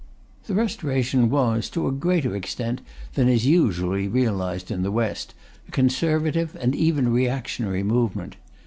The Restoration was, to a greater extent than is usually realized in the West, a conservative and even reactionary movement.